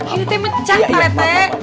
ini teh mecat pak rt